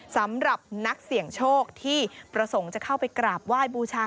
สำหรับนักเสี่ยงโชคที่ประสงค์จะเข้าไปกราบไหว้บูชา